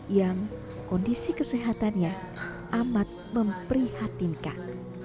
yang kondisi kesehatannya amat memprihatinkan